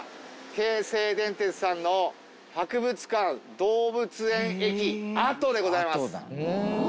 京成電鉄さんの博物館動物園駅跡でございます。